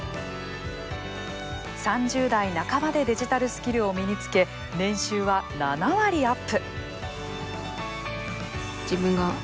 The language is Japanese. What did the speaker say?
３０代半ばでデジタルスキルを身につけ年収は７割アップ。